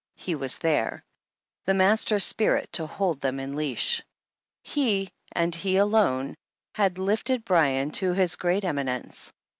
He was there. The master spirit to hold them in leash. He, and he alone, had lifted Bryan to his great emi nence.